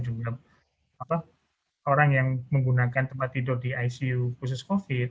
jumlah orang yang menggunakan tempat tidur di icu khusus covid